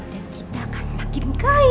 dan kita akan semakin kaya